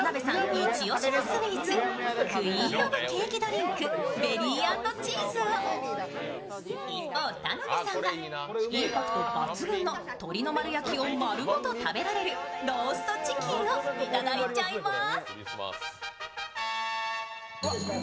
イチ押しのスイーツ、クイーン・オブ・ケーキドリンクベリー＆チーズを、一方、田辺さんは、インパクト抜群の鶏の丸焼きをまるごと食べられるローストチキンをいただいちゃいます。